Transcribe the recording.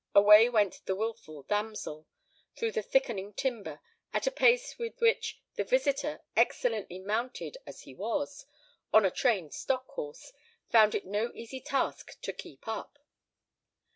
away went the wilful damsel, through the thickening timber, at a pace with which the visitor, excellently mounted as he was, on a trained stock horse, found it no easy task to keep up.